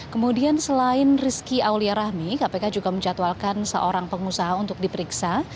kemudian selain rizky aulia rahmi kpk juga menjatuhalkan seorang pengusaha untuk diperiksa